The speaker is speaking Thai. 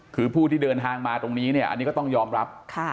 คือผู้ที่เดินทางมาตรงนี้เนี่ยอันนี้ก็ต้องยอมรับ